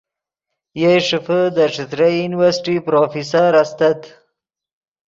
یئے ݰیفے دے ݯتریئی یونیورسٹی پروفیسر استت